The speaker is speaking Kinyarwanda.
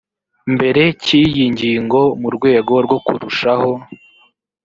mbere cy iyi ngingo mu rwego rwo kurushaho